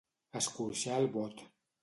Escorxar el bot.